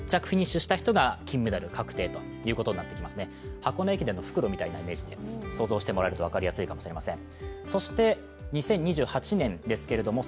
箱根駅伝の復路みたいなイメージで想像してもらえると、分かりやすいかもしれません。